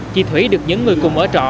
chị thủy được những người cùng ở trọ